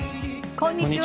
こんにちは。